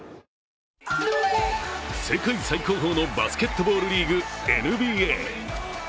世界最高峰のバスケットボールリーグＮＢＡ。